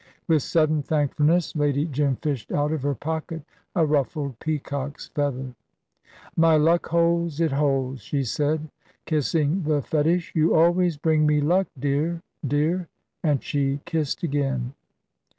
With sudden thankfulness Lady Jim fished out of her pocket a ruffled peacock's feather. "My luck holds it holds," said she, kissing the fetish; "you always bring me luck dear dear," and she kissed again.